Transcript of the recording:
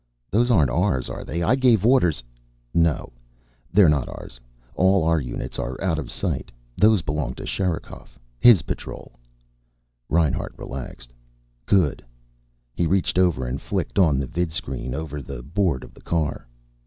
"Those aren't ours, are they? I gave orders " "No. They're not ours. All our units are out of sight. Those belong to Sherikov. His patrol." Reinhart relaxed. "Good." He reached over and flicked on the vidscreen over the board of the car.